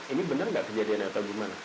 ini bener gak kejadiannya atau gimana